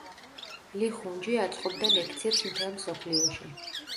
ლი ხუნჯი აწყობდა ლექციებს მთელ მსოფლიოში.